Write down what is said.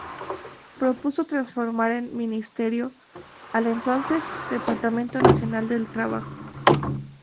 Propuso transformar en Ministerio al entonces Departamento Nacional del Trabajo.